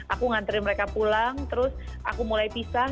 aku nganterin mereka pulang terus aku mulai pisah